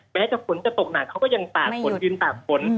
แม้จะฝนจะตกหนักเขาก็ยังตากฝนยืนตากฝน